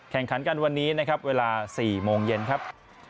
แข่งขันกันวันนี้นะครับเวลา๔โมงเย็นครับ